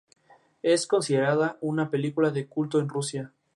En cuanto al color del interior, este era amarillo.